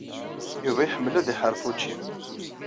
Yuba iḥemmel ad iḥaṛef učči.